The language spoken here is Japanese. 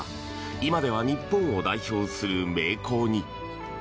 今では日本を代表する名工に。